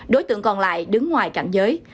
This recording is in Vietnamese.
đối tượng còn lại đứng ngoài cạnh giới